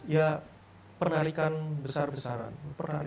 ya penarikan besar besaran